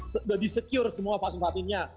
sudah disecure semua vaksin vaksinnya